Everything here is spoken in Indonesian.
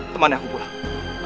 temani aku pulang